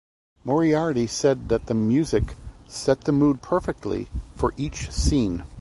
Moriarty said that the music "set the mood perfectly" for each scene.